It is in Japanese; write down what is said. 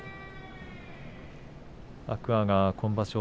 天空海が今場所